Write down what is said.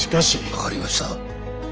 分かりました。